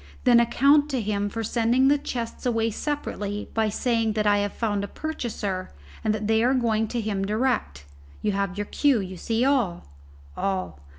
"Then account to him for sending the chests away separately by saying that I have found a purchaser, and that they are going to him direct. You have your cue you see all!" "All."